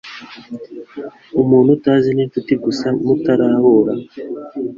Umuntu utazi ninshuti gusa mutarahura.